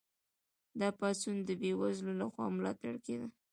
دا پاڅون د بې وزلو لخوا ملاتړ کیده.